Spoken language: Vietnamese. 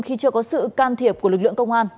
khi chưa có sự can thiệp của lực lượng công an